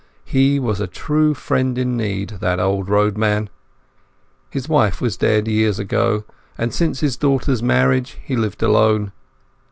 He was a true friend in need, that old roadman. His wife was dead years ago, and since his daughter's marriage he lived alone.